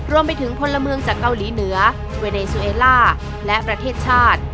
รวมไปถึงพลเมืองจากเกาหลีเหนือเวเนซูเอล่าและประเทศชาติ